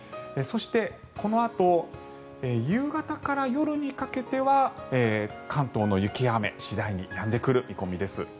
そして、このあと夕方から夜にかけては関東の雪、雨次第にやんでくる見込みです。